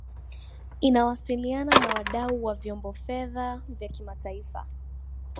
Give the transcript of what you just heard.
inawasiliana na wadau wa vyombo fedha vya kimataifa